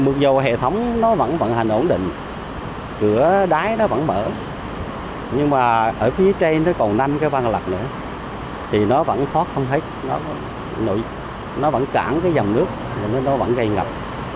một dầu hệ thống nó vẫn vận hành ổn định cửa đáy nó vẫn mở nhưng mà ở phía trên nó còn năm cái văn lật nữa thì nó vẫn khó không hết nó vẫn cản cái dòng nước nó vẫn gây ngập